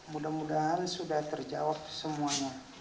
mudah mudahan sudah terjawab semuanya